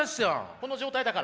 この状態だから？